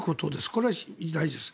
これは大事です。